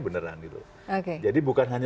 beneran gitu jadi bukan